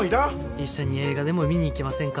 一緒に映画でも見に行きませんか？